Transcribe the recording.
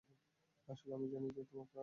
আসলে, আমি জানি যে তোমার আছে।